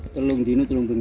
telung dino telung bunga